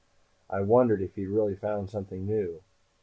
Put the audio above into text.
I wondered if he'd really found something new.